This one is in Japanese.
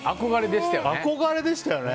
憧れでしたよね。